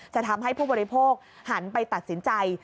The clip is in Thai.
ทำให้ผู้บริโภคหันไปตัดสินใจ